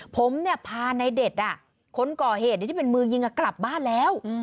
ผมพาในเด็ดคนก่อเหตุที่เป็นมือยิงกลับบ้านแล้ว